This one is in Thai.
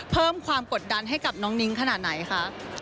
เพิ่มความกดดันให้กับน้องนิ้งขนาดไหนคะ